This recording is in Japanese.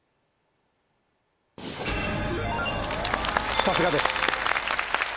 さすがです。